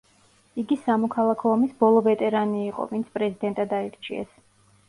იგი სამოქალაქო ომის ბოლო ვეტერანი იყო, ვინც პრეზიდენტად აირჩიეს.